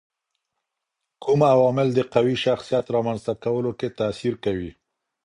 کوم عوامل د قوي شخصيت رامنځته کولو کي تاثیر کوي؟